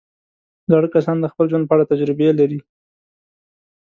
زاړه کسان د خپل ژوند په اړه تجربې لري